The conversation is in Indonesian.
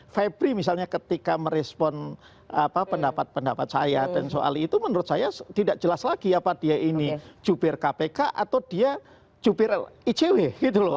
febri misalnya ketika merespon pendapat pendapat saya dan soal itu menurut saya tidak jelas lagi apa dia ini jubir kpk atau dia jubir icw gitu loh